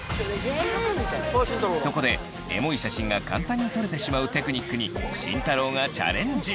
そこでエモい写真が簡単に撮れてしまうテクニックに慎太郎がチャレンジ！